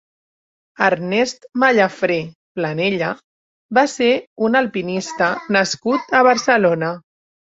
Ernest Mallafré Planella va ser un alpinista nascut a Barcelona.